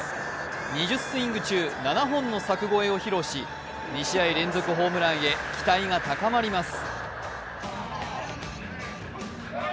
２０スイング中、７本の柵越えを披露し、２試合連続ホームランへ期待が高まります。